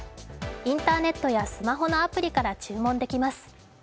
インターネットやスマホのアプリから注文できます。